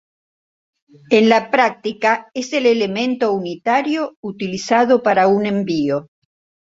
En la práctica es el elemento unitario utilizado para un envío.